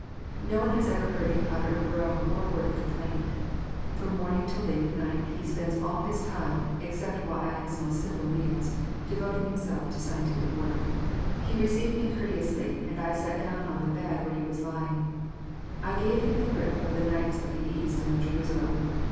No one has ever heard him utter a groan or a word of complaint. From morning till late at night, he spends all his time, except while at his most simple meals, devoting himself to scien tific work. He received me courteously, and I sat down on the bed where he was lying. I gave him the grip of the Knights of the East and of Jerusalem.